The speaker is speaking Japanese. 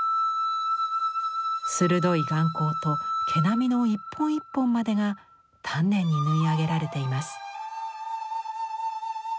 鋭い眼光と毛並みの一本一本までが丹念に縫い上げられています。